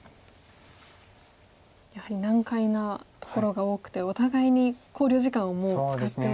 やはり難解なところが多くてお互いに考慮時間をもう使っておりますね。